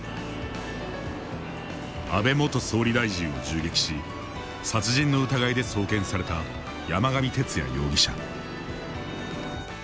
安倍元総理大臣を銃撃し殺人の疑いで送検された山上徹也容疑者。